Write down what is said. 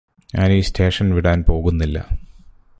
ഞാനീ സ്റ്റേഷന് വിടാന് പോകുന്നില്ല